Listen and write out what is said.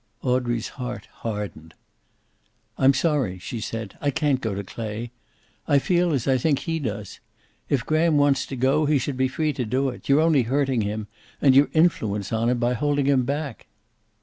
Audrey's heart hardened. "I'm sorry," she said. "I can't go to Clay. I feel as I think he does. If Graham wants to go, he should be free to do it. You're only hurting him, and your influence on him, by holding him back."